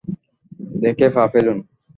দেখে পা ফেলুন।